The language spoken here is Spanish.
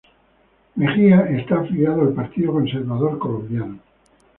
Mejia está afiliado al Partido Conservador Colombiano.